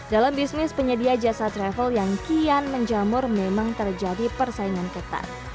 dalam bisnis penyedia jasa travel yang kian menjamur memang terjadi persaingan ketat